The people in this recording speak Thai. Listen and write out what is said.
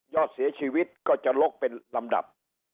อดเสียชีวิตก็จะลกเป็นลำดับ